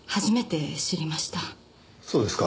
そうですか。